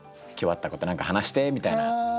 「今日あったこと何か話して」みたいな。